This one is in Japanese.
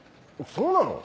そうなの？